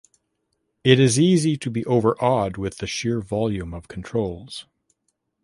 It is easy to be overawed with the sheer volume of controls.